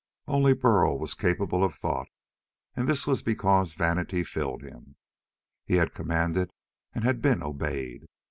Only Burl was capable of thought, and this was because vanity filled him. He had commanded and had been obeyed.